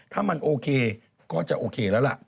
ถ้ามันโอเคก็จะโอเคแล้วล่ะ